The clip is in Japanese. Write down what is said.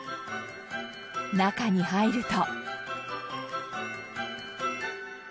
中に入ると。